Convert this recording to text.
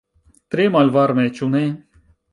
Tre malvarme, ĉu ne?